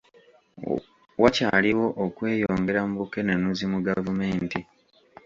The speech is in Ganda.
Wakyaliwo okweyongera mu bukenenuzi mu gavumenti.